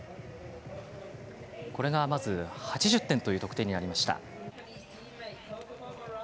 これが８０点という得点でした。